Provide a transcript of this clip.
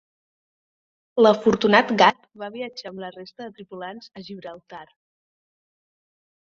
L'afortunat gat va viatjar amb la resta de tripulants a Gibraltar.